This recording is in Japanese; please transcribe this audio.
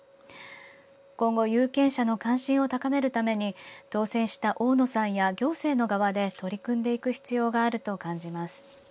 今後有権者の関心を高めるために当選した大野さんや行政の側で取り組んでいく必要があると感じます。